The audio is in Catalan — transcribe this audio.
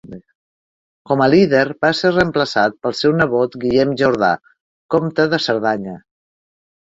Com a líder va ser reemplaçat pel seu nebot Guillem Jordà, comte de Cerdanya.